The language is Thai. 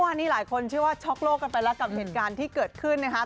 วันนี้หลายคนเชื่อว่าช็อกโลกกันไปแล้วกับเหตุการณ์ที่เกิดขึ้นนะครับ